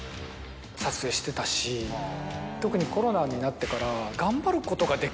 特にコロナになってから。